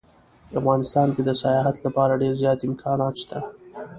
افغانستان کې د سیاحت لپاره ډیر زیات امکانات شته